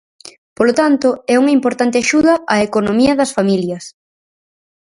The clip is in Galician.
Polo tanto, é unha importante axuda á economía das familias.